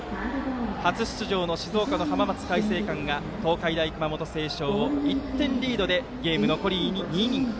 初出場の静岡の浜松開誠館が東海大熊本星翔を１点リードでゲーム残り２イニング。